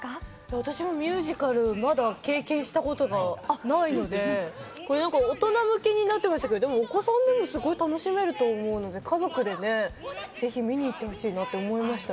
私もミュージカル、まだ経験したことがないので、大人向けになってましたけど、お子さんも楽しめると思うので、家族でねぜひ見に行ってほしいなと思いました。